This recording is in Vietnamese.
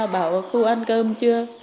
bảo cô ăn cơm chưa